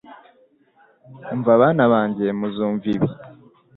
"Umva bana banjye, muzumva" ibi